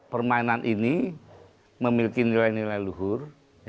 permainan ini memiliki nilai nilai luhur